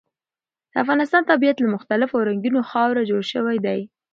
د افغانستان طبیعت له مختلفو او رنګینو خاورو جوړ شوی دی.